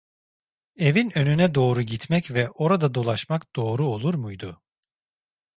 Evin önüne doğru gitmek ve orada dolaşmak doğru olur muydu?